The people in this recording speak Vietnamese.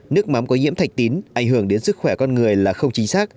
nước mắm có nhiễm thạch tín ảnh hưởng đến sức khỏe con người là không chính xác